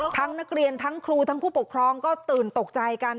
นักเรียนทั้งครูทั้งผู้ปกครองก็ตื่นตกใจกัน